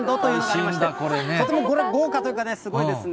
とても豪華といいますか、すごいですね。